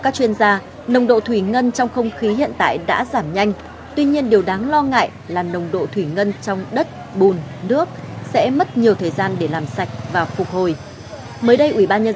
các chuyên gia y tế khuyến cáo những người trực tiếp tham gia chữa cháy cứu hộ cứu nạn xử lý môi trường tại khu vực xảy ra cháy cần được kiểm tra và theo dõi sức khỏe